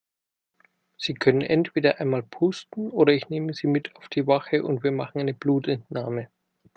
Sie können entweder einmal pusten oder ich nehme Sie mit auf die Wache und wir machen eine Blutentnahme.